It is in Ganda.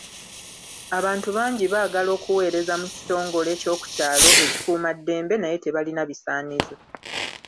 Abantu bangi baagala okuweereza mu kitongole kyokukyalo ekikuuma ddembe naye tebalina bisaanizo.